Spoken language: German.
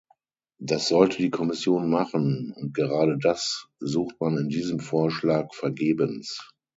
Das sollte die Kommission machen, und gerade das sucht man in diesem Vorschlag vergebens.